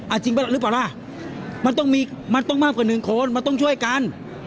อาจริงหรือเปล่าล่ะมันต้องมากกว่า๑คนมันต้องช่วยกัน